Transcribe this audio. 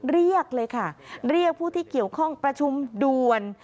เรียกเลยค่ะเรียกผู้ที่เกี่ยวข้องประชุมด่วน